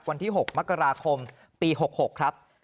วันที่๖มกราคมปี๖๖ครับ